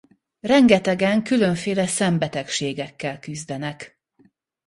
Rengetegen különféle szembetegségekkel küzdenek.